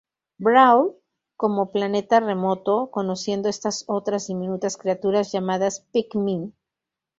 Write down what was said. Brawl, como "Planeta Remoto", conociendo estas otras diminutas criaturas llamadas Pikmin.